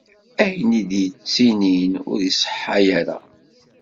Ayen ay d-ttinin ur iṣeḥḥa ara.